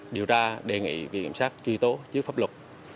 điều tra đề nghị việc kiểm soát truy tố trước pháp luật